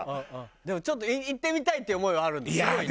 でもちょっと行ってみたいっていう思いはあるんだすごいね。